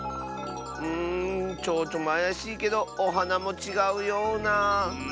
うんちょうちょもあやしいけどおはなもちがうような。